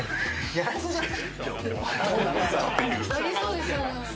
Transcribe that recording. やられそうじゃない？